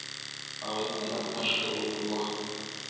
هغوی په نرمښت کولو بوخت دي.